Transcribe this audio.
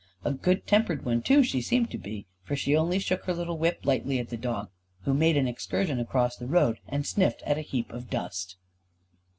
A good tempered one too she seemed to be, for she only shook her little whip lightly at the dog, who made an excursion across the road and sniffed at a heap of dust.